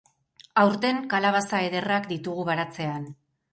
Aurten kalabaza ederrak ditugu baratzean.